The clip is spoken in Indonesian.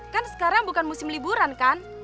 kan sekarang bukan musim liburan kan